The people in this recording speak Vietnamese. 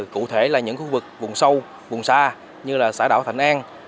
cụ thể là những khu vực vùng sâu vùng xa như là xã đảo thành an